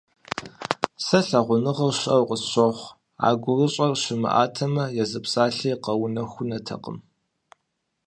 Сэ лъагъуныгъэр щыӀэу къысщохъу, а гурыщӀэр щымыӀатэмэ, езы псалъэри къэунэхунтэкъым.